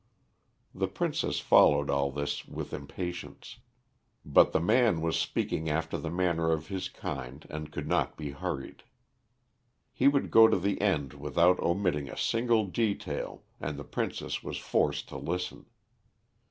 The princess followed all this with impatience. But the man was speaking after the manner of his kind and could not be hurried. He would go on to the end without omitting a single detail and the princess was forced to listen.